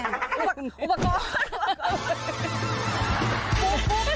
อุปเกิน